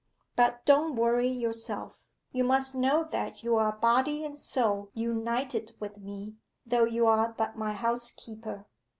But don't worry yourself. You must know that you are body and soul united with me, though you are but my housekeeper.